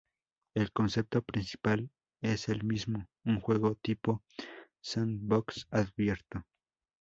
El concepto principal es el mismo, un juego tipo Sandbox abierto.